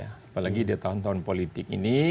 apalagi di tahun tahun politik ini